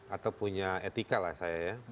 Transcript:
atau punya etika lah saya ya